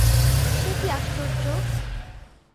সে কী আশ্চর্য!